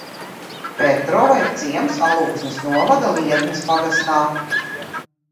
Petrova ir ciems Alūksnes novada Liepnas pagastā.